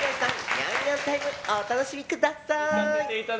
ニャンニャンタイムお楽しみください。